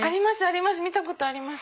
見たことあります。